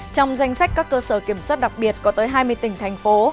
trong danh sách các cơ sở kiểm soát đặc biệt có tới hai mươi tỉnh thành phố